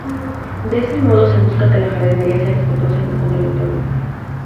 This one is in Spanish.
De este modo se busca que la jardinería sea respetuosa con el entorno.